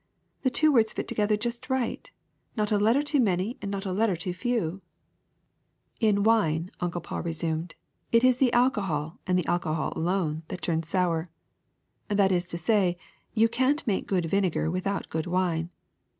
The two words fit together just right; not a letter too many, and not a letter too few." 252 VINEGAR 253 i i In wine/' Uncle Paul resumed, '4t is the alcohol, and the alcohol alone, that turns sour. That is to say, you can't make good vinegar without good wine.